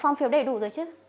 phong phiếu đầy đủ rồi chứ